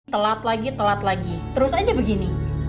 telat lagi telat lagi terus aja begini